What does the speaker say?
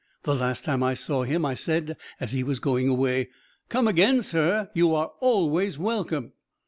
The last time I saw him I said as he was going away, 'Come again, sir; you are always welcome!'